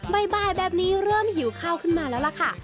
บ่ายแบบนี้เริ่มหิวข้าวขึ้นมาแล้วล่ะค่ะ